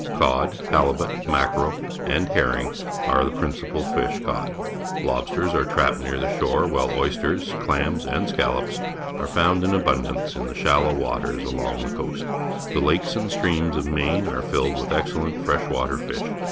Cod, halibut, mackerel, and he rring are the prmcipal fish caught. Lobsters are trapped near the shore, while oysters, clams, and scallops are found in abundance in the shallow waters all along the coast. The lakes and streams of Maine are filled with excellent fresh water fish.